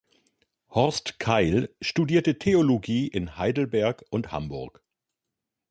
Horst Keil studierte Theologie in Heidelberg und Hamburg.